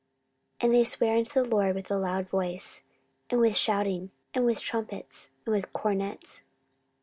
14:015:014 And they sware unto the LORD with a loud voice, and with shouting, and with trumpets, and with cornets.